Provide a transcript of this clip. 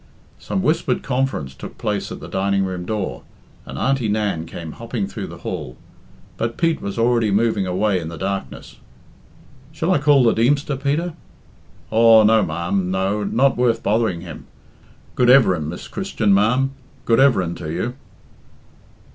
Some whispered conference took place at the dining room door, and Auntie Nan came hopping through the hall. But Pete was already moving away in the darkness. "Shall I call the Deemster, Peter?" "Aw, no, ma'am, no, not worth bothering him. Good everin', Miss Christian, ma'am, good everin' to you."